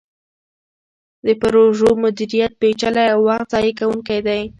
د پروژو مدیریت پیچلی او وخت ضایع کوونکی دی.